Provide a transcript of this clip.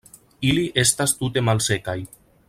Ili estas tute malsekaj.